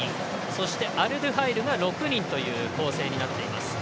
そして、アルドゥハイルが３人という構成になっています。